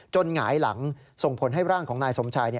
หงายหลังส่งผลให้ร่างของนายสมชาย